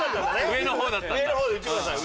上の方だったんだね。